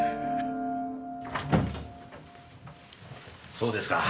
そうですか。